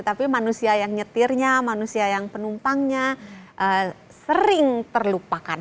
tapi manusia yang nyetirnya manusia yang penumpangnya sering terlupakan